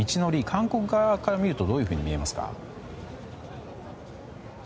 韓国側から見るとどのように見えますか？